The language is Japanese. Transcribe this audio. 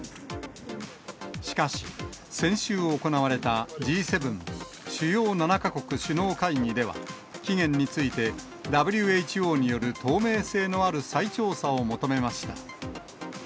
しかし、先週行われたＧ７・主要７か国首脳会議では、起源について、ＷＨＯによる透明性のある再調査を求めました。